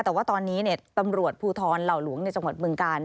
แต่ว่าตอนนี้ตำรวจภูทรเหล่าหลวงในจังหวัดบึงกาล